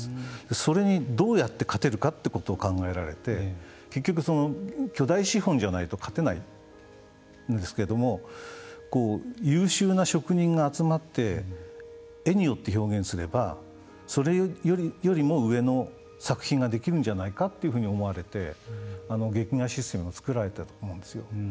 それにどうやって勝てるかってことを考えられて結局、巨大資本じゃないと勝てないんですけども優秀な職人が集まって絵によって表現すればそれよりも上の作品ができるんじゃないかっていうふうに思われて劇画システムを作られたと思うんですよ。